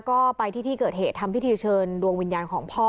ก็ไปที่ที่เกิดเหตุทำพิธีเชิญดวงวิญญาณของพ่อ